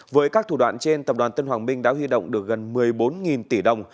với các thủ đoạn trên tập đoàn tân hoàng minh đã huy động được gần một mươi bốn tỷ đồng